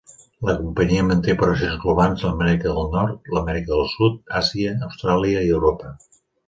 La companyia manté operacions globals a l'Amèrica del Nord, l'Amèrica del Sud, Àsia, Austràlia i Europa.